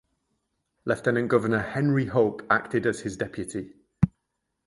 Lieutenant Governor Henry Hope acted as his deputy.